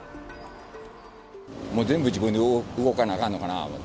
もう全部自分で動かなあかんのかなと。